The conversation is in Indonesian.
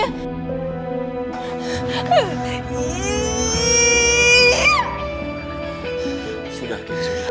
sudah ki sudah